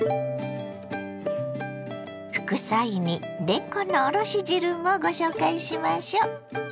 副菜にれんこんのおろし汁もご紹介しましょ。